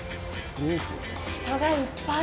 人がいっぱい！